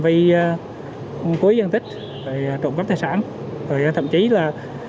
và thậm chí là